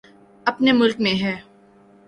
اپنے ملک میں ہے۔